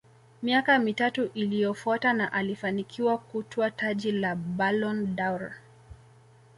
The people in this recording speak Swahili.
miaka mitatu iliyofuata na alifanikiwa kutwaa taji la Ballon dâOr